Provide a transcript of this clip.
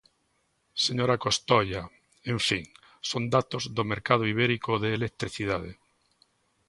Señora Costoia, en fin, son datos do mercado ibérico de electricidade.